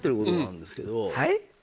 はい？